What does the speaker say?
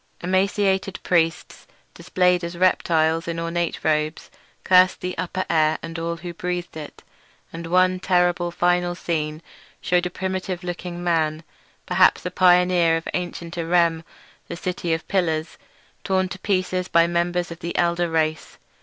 Emaciated priests, displayed as reptiles in ornate robes, cursed the upper air and all who breathed it; and one terrible final scene shewed a primitive looking man, perhaps a pioneer of ancient Irem, the City of Pillars, torn to pieces by members of the elder race.